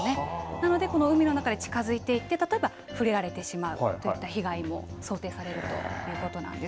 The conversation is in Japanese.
なので海の中で近づいて触れられてしまうといった被害も想定されるということなんです。